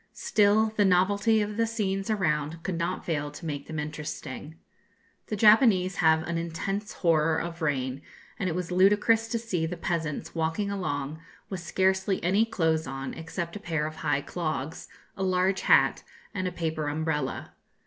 Still, the novelty of the scenes around could not fail to make them interesting. The Japanese have an intense horror of rain, and it was ludicrous to see the peasants walking along with scarcely any clothes on except a pair of high clogs, a large hat, and a paper umbrella.